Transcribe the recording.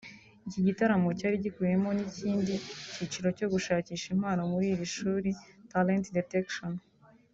Iki gitaramo cyari gikubiyemo n’ikindi cyiciro cyo gushakisha impano muri iri shuri ‘Talent Detection’